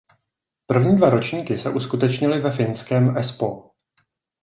První dva ročníky se uskutečnily ve finském Espoo.